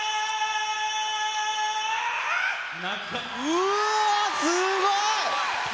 うわー、すごい。